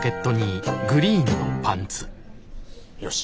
よし。